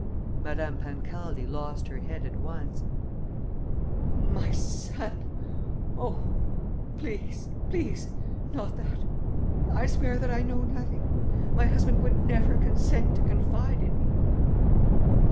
Madame Pancaldi lost her head at once: "My son! Oh, please, please ... not that!... I swear that I know nothing. My husband would never consent to confide in me."